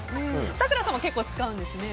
咲楽さんも結構使うんですね。